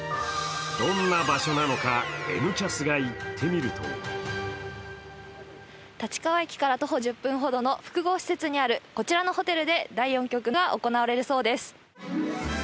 どんな場所なのか、「Ｎキャス」が行ってみると立川駅から徒歩１０分ほどの複合施設にあるこちらのホテルで第４局が行われるそうです。